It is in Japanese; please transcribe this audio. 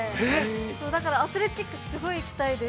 だから、アスレチックすごく行きたいです。